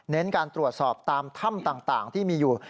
การตรวจสอบตามถ้ำต่างที่มีอยู่